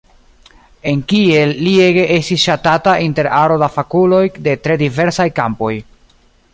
En Kiel li ege estis ŝatata inter aro da fakuloj de tre diversaj kampoj.